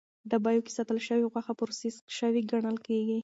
ډبیو کې ساتل شوې غوښه پروسس شوې ګڼل کېږي.